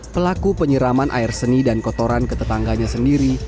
pelaku penyiraman air seni dan kotoran ketetangganya sendiri